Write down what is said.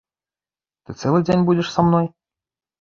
Ты цэлы дзень будзеш са мной?